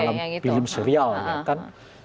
dalam film serial ya kan